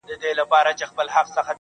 o ځاى جوړاوه.